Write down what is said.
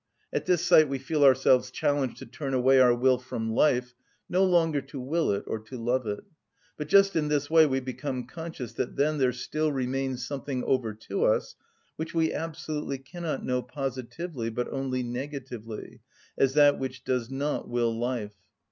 At this sight we feel ourselves challenged to turn away our will from life, no longer to will it or love it. But just in this way we become conscious that then there still remains something over to us, which we absolutely cannot know positively, but only negatively, as that which does not will life.